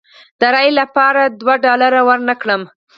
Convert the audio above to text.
د رایې لپاره دوه ډالره ورنه کړم.